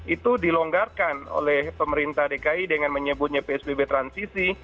itu dilonggarkan oleh pemerintah dki dengan menyebutnya psbb transisi